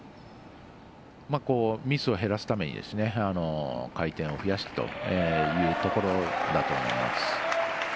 ミスを減らすために回転を増やしてというところだと思います。